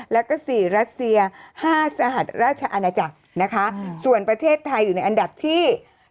แล้วก็๔รัสเซีย๕สหราชอาณาจักรนะคะส่วนประเทศไทยอยู่ในอันดับที่